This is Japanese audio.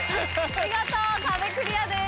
見事壁クリアです。